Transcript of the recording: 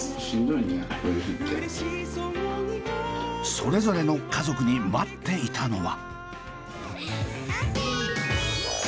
それぞれの家族に待っていたのは？